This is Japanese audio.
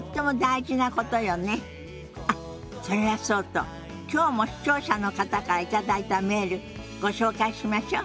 あっそれはそうときょうも視聴者の方から頂いたメールご紹介しましょ。